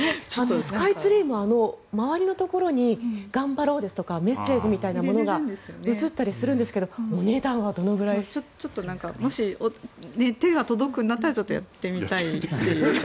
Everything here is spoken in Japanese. スカイツリーも周りのところに頑張ろうですとかメッセージみたいなものが映ったりするんですがお値段はどれぐらいもし手が届くんだったらちょっとやってみたいなと。